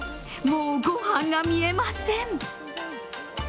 もう、御飯が見えません。